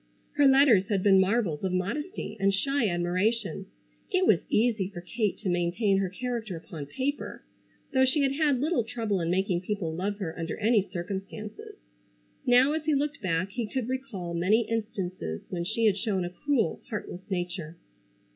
Her letters had been marvels of modesty, and shy admiration. It was easy for Kate to maintain her character upon paper, though she had had little trouble in making people love her under any circumstances. Now as he looked back he could recall many instances when she had shown a cruel, heartless nature.